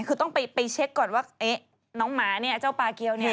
คือต้องไปเช็คก่อนว่าน้องหมาเนี่ยเจ้าปลาเกียวเนี่ย